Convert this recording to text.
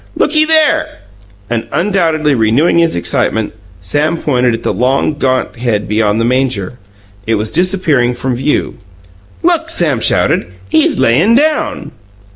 Looky there!" And undoubtedly renewing his excitement, Sam pointed at the long, gaunt head beyond the manger. It was disappearing from view. "Look!" Sam shouted. "He's layin' down!"